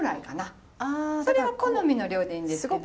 それは好みの量でいいんですけど。